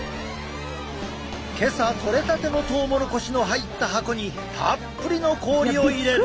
今朝採れたてのトウモロコシの入った箱にたっぷりの氷を入れる。